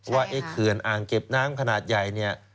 ว่าไอ้เขื่อนอ่างเก็บน้ำขนาดใหญ่เนี่ย